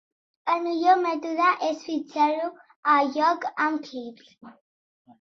El millor mètode és fixar-ho a lloc amb clips.